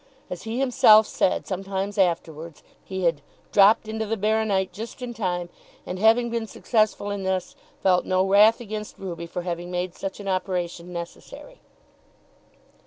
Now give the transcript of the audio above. As he himself said sometimes afterwards, he had "dropped into the baro nite" just in time, and, having been successful in this, felt no wrath against Ruby for having made such an operation necessary.